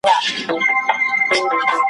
چي بنده سي څوک د مځکي د خدایانو ,